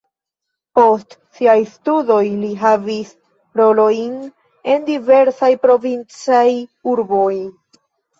Post siaj studoj li havis rolojn en diversaj provincaj urboj.